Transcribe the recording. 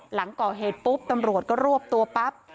หลังก่อเหตุปุ๊บตำรวจก็รวบตัวปั๊บ